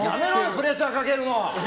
プレッシャーかけるの！